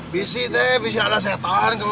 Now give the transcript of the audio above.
busy teh busy ala setan